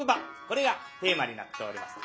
これがテーマになっております。